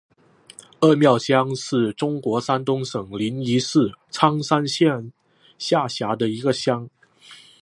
二庙乡是中国山东省临沂市苍山县下辖的一个乡。